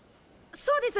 そうです！